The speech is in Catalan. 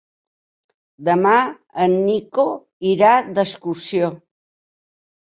Demà en Nico irà d'excursió.